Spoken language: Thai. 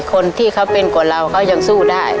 คนที่เขาเป็นกว่าเราเขายังสู้ได้